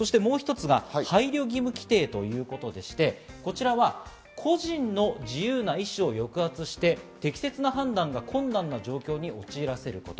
そして、もう一つが配慮義務規定と言いまして、こちらは個人の自由な意思を抑圧して適切な判断が困難な状況に陥らせること。